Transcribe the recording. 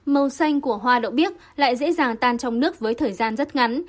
màu xanh của hoa đậu bích lại dễ dàng tan trong nước với thời gian rất ngắn